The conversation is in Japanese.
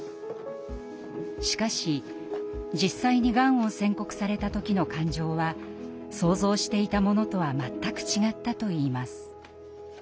しかし実際にがんを宣告された時の感情は想像していたものとは全く違ったといいます。